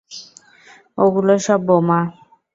ওগুলো সব বোমা!